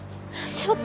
翔太。